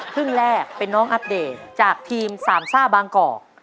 ครึ่งแรกเป็นน้องอัปเดตจากทีมสามซ่าบางกอก